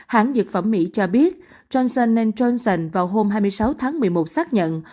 hãng dược phẩm mỹ cho biết johnson johnson vào hôm hai mươi sáu tháng một mươi một xác nhận